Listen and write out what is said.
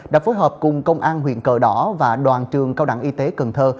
đã phối hợp cùng công an huyện cờ đỏ và đoàn trường cao đẳng y tế cần thơ